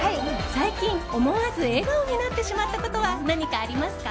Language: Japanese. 最近、思わず笑顔になってしまったことは何かありますか？